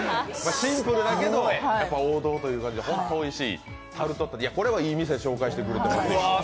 シンプルだけど王道で本当においしい、これはいい店、紹介してくれてますね。